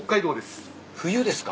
冬ですか？